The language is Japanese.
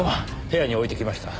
部屋に置いてきました。